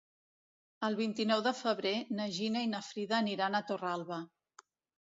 El vint-i-nou de febrer na Gina i na Frida aniran a Torralba.